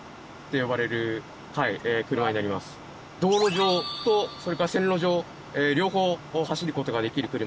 道路上とそれから線路上両方走る事ができる車になってます。